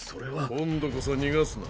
今度こそ逃がすな。